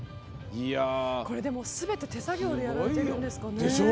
これ、でもすべて手作業でやられてるんですかね。